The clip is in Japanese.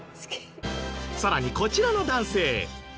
さらにこちらの男性。